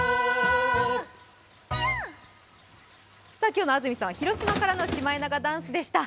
今日の安住さんは広島からのシマエナガダンスでした。